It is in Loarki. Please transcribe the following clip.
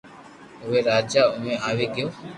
اووي راجا آوي گيو